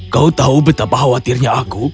kau tahu betapa khawatirnya aku